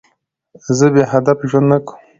زه بېهدف ژوند نه کوم.